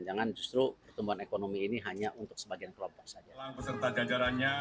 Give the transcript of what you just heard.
jangan justru pertumbuhan ekonomi ini hanya untuk sebagian kelompok saja